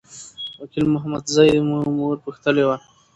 وکیل محمدزی مو مور پوښتلي وه.